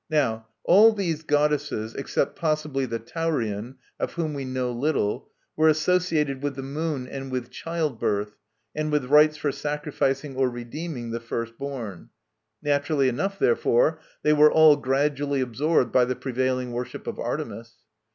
Now all these goddesses (except possibly the Taurian, of whom we know little) were associated with the Moon and with child birth, and with rites for sacrificing or redeeming the first born. Naturally enough, therefore, they were all gradually absorbed by the prevailing worship of Artemis.